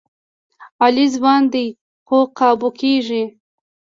علي ځوان دی، خو قابو کېږي.